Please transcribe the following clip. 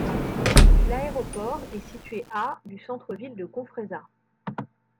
L'aéroport est situé à du centre-ville de Confresa.